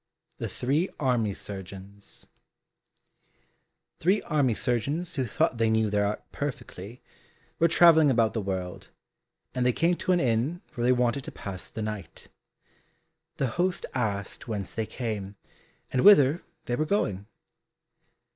118 The Three Army Surgeons Three army surgeons who thought they knew their art perfectly, were travelling about the world, and they came to an inn where they wanted to pass the night. The host asked whence they came, and whither they were going?